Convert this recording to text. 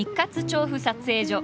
調布撮影所。